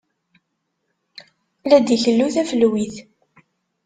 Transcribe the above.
La d-ikellu tafelwit.